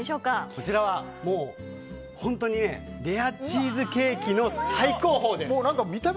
こちらは本当にレアチーズケーキの最高峰です！